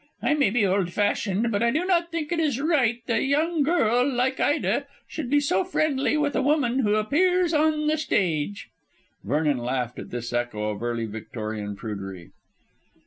I may be old fashioned, but I do not think it is right that a young girl like Ida should be so friendly with a woman who appears on the stage." Vernon laughed at this echo of early Victorian prudery.